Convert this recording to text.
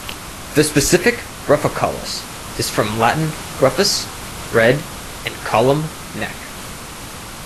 The specific "ruficollis" is from Latin "rufus", "red" and "collum", "neck".